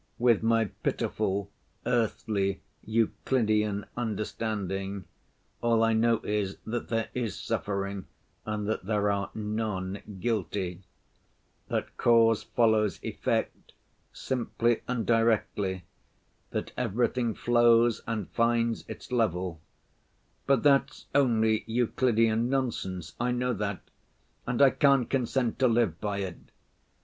With my pitiful, earthly, Euclidian understanding, all I know is that there is suffering and that there are none guilty; that cause follows effect, simply and directly; that everything flows and finds its level—but that's only Euclidian nonsense, I know that, and I can't consent to live by it!